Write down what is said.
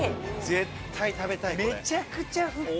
絶対食べたいこれ。